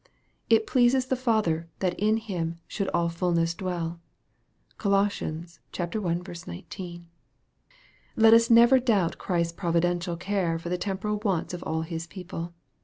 " It pleased the Father that in Him should all fulness dwell." (Colos. i. 19.) Let us never doubt Christ's providential care for the temporal wants of all His people.